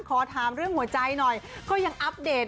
ขอถามเรื่องหัวใจหน่อยก็ยังอัปเดต